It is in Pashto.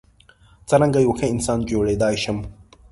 څرنګه یو ښه انسان جوړیدای شم.